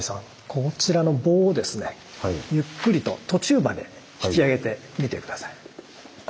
こちらの棒をですねゆっくりと途中まで引き上げてみて下さい。